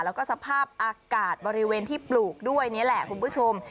แล้วก็สภาพอากาศบริเวณที่ปลูกด้วยนี่แหละคุณผู้ชม